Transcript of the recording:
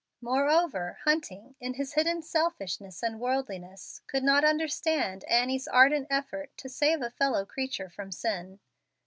Moreover, Hunting, in his hidden selfishness and worldliness could not understand Annie's ardent effort to save a fellow creature from sin.